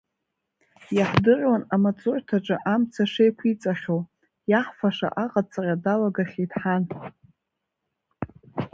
Иаҳдыруан амаҵурҭаҿы амца шеиқәиҵахьоу, иаҳфаша аҟаҵара далагахьеит ҳан.